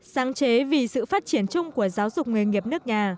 sáng chế vì sự phát triển chung của giáo dục nghề nghiệp nước nhà